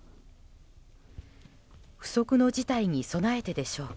不測の事態に備えてでしょうか。